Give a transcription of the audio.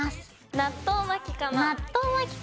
納豆巻きかな。